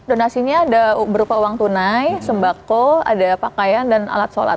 donasinya ada berupa uang tunai sembako ada pakaian dan alat sholat